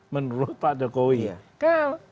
menurut pak jokowi karena